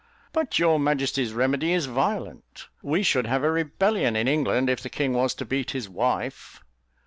"But your majesty's remedy is violent; we should have a rebellion in England, if the king was to beat his wife."